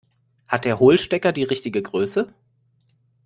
Hat der Hohlstecker die richtige Größe?